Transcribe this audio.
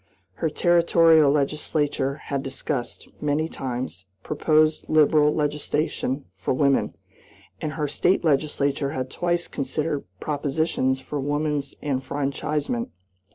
Her Territorial legislature had discussed, many times, proposed liberal legislation for women, and her State legislature had twice considered propositions for woman's enfranchisement.